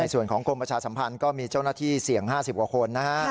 ส่วนของกรมประชาสัมพันธ์ก็มีเจ้าหน้าที่เสี่ยง๕๐กว่าคนนะฮะ